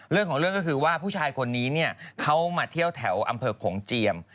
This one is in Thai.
เรื่องของเรื่องก็คือว่าผู้ชายคนนี้เนี่ยเขามาเที่ยวแถวอำเภอโขงเจียม